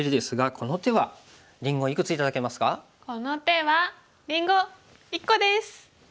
この手はりんご１個です！